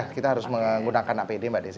ya kita harus menggunakan apd mbak desy